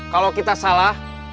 kalau kita salah